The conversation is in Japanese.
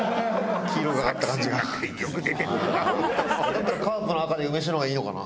やっぱりカープの赤で梅酒の方がいいのかな？